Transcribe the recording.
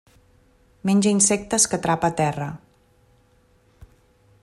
Menja insectes que atrapa a terra.